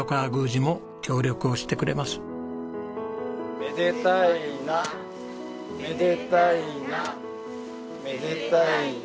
めでたいな！めでたいな！めでたいな！